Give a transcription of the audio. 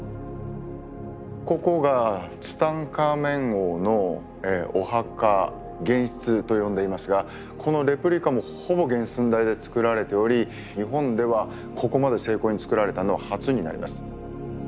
ここがツタンカーメン王のお墓「玄室」と呼んでいますがこのレプリカもほぼ原寸大で作られており日本ではここまで精巧に作られたのは初になります。